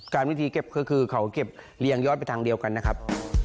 วิธีเก็บก็คือเขาเก็บเรียงยอดไปทางเดียวกันนะครับ